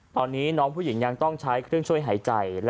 ตอนนี้น้องผู้หญิงยังต้องใช้เครื่องช่วยหายใจ